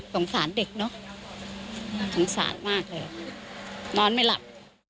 สงสารเด็กเนอะสงสารมากเลยนอนไม่หลับ